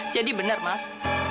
jadi benar mas